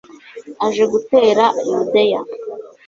aje gutera yudeya